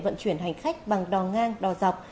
vận chuyển hành khách bằng đò ngang đò dọc